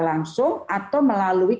langsung atau melalui